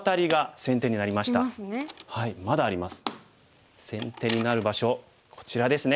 先手になる場所こちらですね。